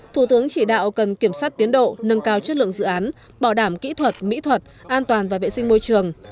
thủ tướng chỉ đạo cần kiểm soát tiến độ nâng cao chất lượng dự án bảo đảm kỹ thuật mỹ thuật an toàn và vệ sinh môi trường